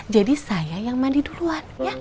jadi saya yang mandi duluan